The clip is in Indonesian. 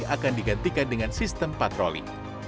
akan digantikan dengan sistem patroli